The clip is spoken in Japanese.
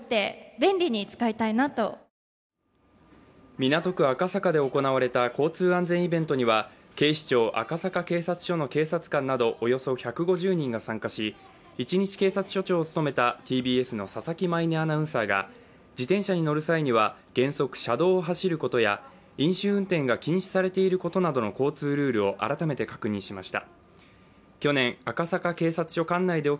港区赤坂で行われた交通安全イベントには警視庁赤坂警察署の警察官などおよそ１５０人が参加し、一日警察署長を務めたＴＢＳの佐々木舞音アナウンサーが自転車に乗る際には原則車道を走ることや飲酒運転が禁止されていることなどの交通ルールを改めて確認しました。